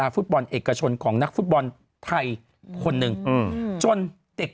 ฟุตบอลเอกชนของนักฟุตบอลไทยคนหนึ่งจนเด็ก